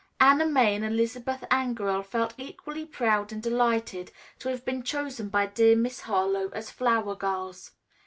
Anna May and Elizabeth Angerell felt equally proud and delighted to have been chosen by dear Miss Harlowe as flower girls.